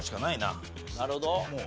なるほど。